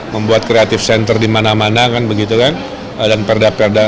membuat kreatif center di mana mana dan perda perda